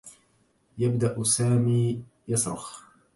بدأ سامي يصرخ.